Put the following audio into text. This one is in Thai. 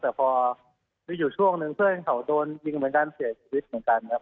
แต่พอมีอยู่ช่วงหนึ่งเพื่อนเขาโดนยิงเหมือนกันเสียชีวิตเหมือนกันครับ